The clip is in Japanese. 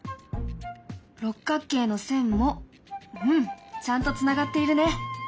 六角形の線もうんちゃんとつながっているね。